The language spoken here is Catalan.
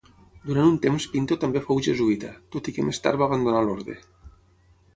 Durant un temps Pinto també fou jesuïta, tot i que més tard va abandonar l'orde.